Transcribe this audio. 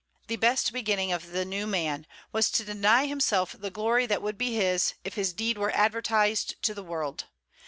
The best beginning of the new man was to deny himself the glory that would be his if his deed were advertised to the world.